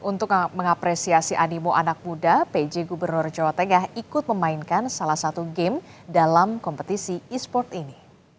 untuk mengapresiasi animo anak muda pj gubernur jawa tengah ikut memainkan salah satu game dalam kompetisi e sport ini